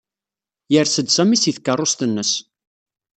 Yers-d Sami seg tkeṛṛust-nnes.